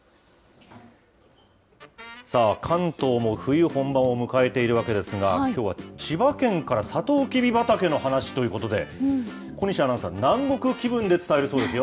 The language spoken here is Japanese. さあ、関東も冬本番を迎えているわけですが、きょうは千葉県から、さとうきび畑の話ということで、小西アナウンサー、南国気分で伝えるそうですよ。